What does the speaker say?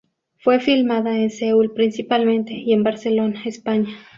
Fue filmada en Seúl principalmente y en Barcelona, España.